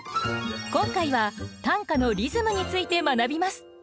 今回は短歌のリズムについて学びます。